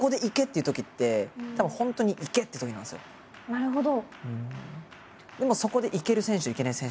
なるほど！